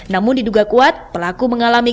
namun diduga kuat pelaku mengalami